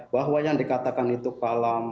bahwa yang dikatakan itu kalam